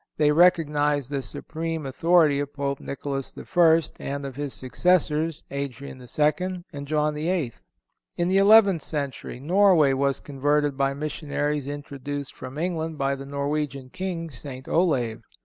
They recognized the supreme authority of Pope Nicholas I. and of his successors, Adrian II. and John VIII. In the eleventh century Norway was converted by missionaries introduced from England by the Norwegian King, St. Olave.